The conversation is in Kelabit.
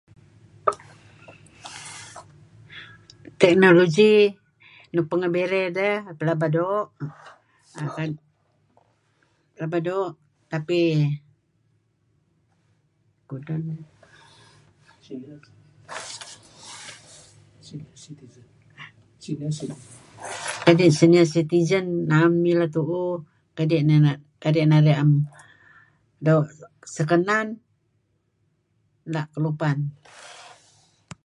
Teknologi nuk pengeh birey deh pelaba doo' pelaba doo' tapi... [prompted] kadi' senior citizen na'em mileh tu'uh. Kadi' neh, kadi' neh narih na'em doo' sekenan, la' kelupan.